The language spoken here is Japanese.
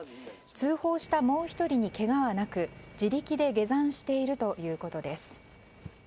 通報したもう１人にけがはなく自力で下山しているということです。